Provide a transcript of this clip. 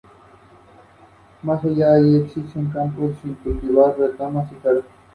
Allí proliferan los líquenes, existiendo casi un centenar de especies diferentes.